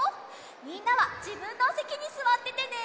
みんなはじぶんのせきにすわっててね。